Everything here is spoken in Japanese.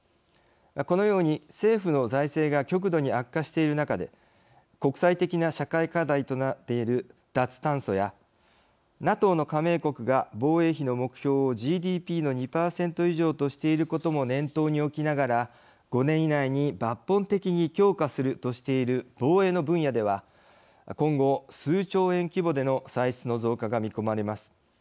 このように政府の財政が極度に悪化している中で国際的な社会課題となっている脱炭素やＮＡＴＯの加盟国が防衛費の目標をＧＤＰの２％以上としていることも念頭に置きながら５年以内に抜本的に強化するとしている防衛の分野では今後、数兆円規模での歳出の増加が見込まれます。